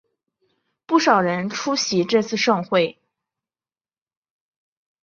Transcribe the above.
不少人出席这次盛会。